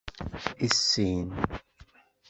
Issin.